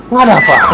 nggak ada apa apa